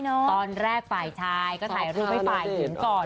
ตอนแรกฝ่ายชายก็ถ่ายรูปให้ฝ่ายหญิงก่อน